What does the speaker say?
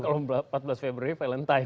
karena kalau empat belas februari valentine